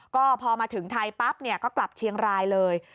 ก็พอมาถึงไทยปั๊บก็กลับเชียงรายเลย